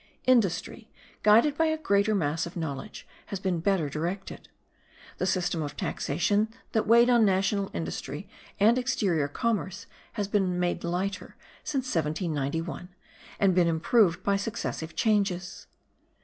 Industry, guided by a greater mass of knowledge, has been better directed. The system of taxation that weighed on national industry and exterior commerce has been made lighter since 1791, and been improved by successive changes.